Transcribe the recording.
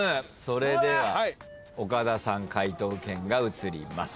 それでは岡田さん解答権が移ります。